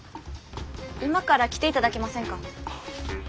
今から来て頂けませんか？